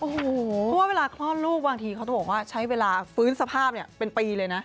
เพราะว่าเวลาคลอดลูกบางทีเขาต้องบอกว่าใช้เวลาฟื้นสภาพเป็นปีเลยนะ